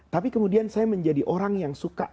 tapi kemudian saya menjadi orang yang suka